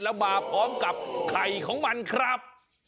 แล้วมาพร้อมกับไข่ของมันครับ